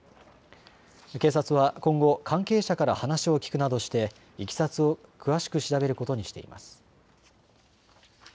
警察は今後、関係者から話を聴くなどしていきさつを詳しく調べることにしています。